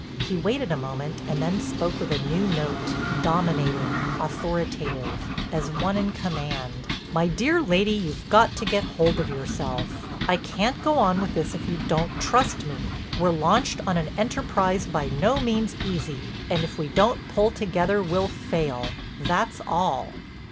He waited a moment and then spoke with a new note, dominating, authoritative, as one in command: "My dear lady, you've got to get hold of yourself. I can't go on with this if you don't trust me. We're launched on an enterprise by no means easy and if we don't pull together we'll fail, that's all."